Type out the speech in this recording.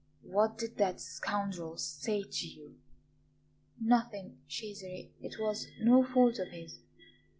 "What did that scoundrel say to you?" "Nothing, Cesare; it was no fault of his.